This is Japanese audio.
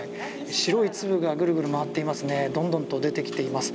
白い粒がグルグル回っていますね。